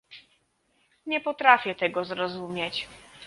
Nie potrafię tego zrozumieć